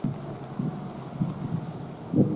母汪氏。